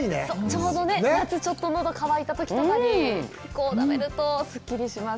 ちょうどね、夏、ちょっとのど渇いたときに食べるとすっきりします。